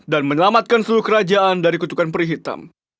dan menyelamatkan seluruh kerajaan dari kutukan perihitam